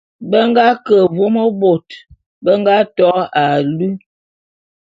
Be nga ke vôm bôt bé nga to alu.